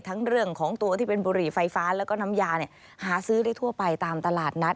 เรื่องของตัวที่เป็นบุหรี่ไฟฟ้าแล้วก็น้ำยาหาซื้อได้ทั่วไปตามตลาดนัด